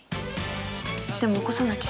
でも起こさなきゃ。